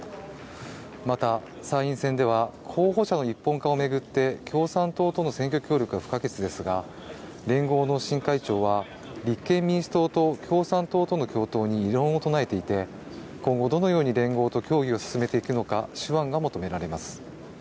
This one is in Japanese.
また参院選では候補者の一本化を巡って共産党との選挙協力が不可欠ですが、連合の新会長は、立憲民主党と共産党との共闘に異論を唱えていて今後どのように連合と協議を進めていくのか、手腕が求められます。